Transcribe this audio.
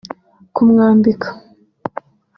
kumwambika